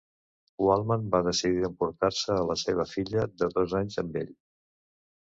Waldman va decidir emportar-se a la seva filla de dos anys amb ell.